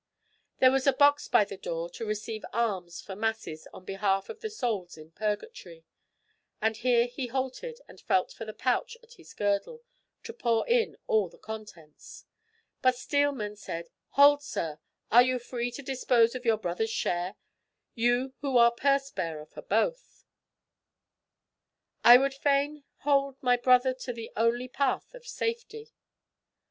There was a box by the door to receive alms for masses on behalf of the souls in purgatory, and here he halted and felt for the pouch at his girdle, to pour in all the contents; but Steelman said, "Hold, sir, are you free to dispose of your brother's share, you who are purse bearer for both?" "I would fain hold my brother to the only path of safety."